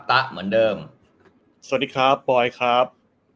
สวัสดีครับบอยครับ